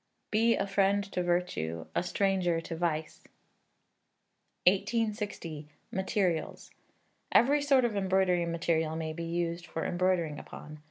[BE A FRIEND TO VIRTUE A STRANGER TO VICE.] 1860. Materials. Every sort of embroidery material may be used for embroidering upon.